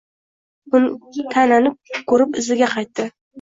Buni ta’nani ko‘rib iziga qaytdi.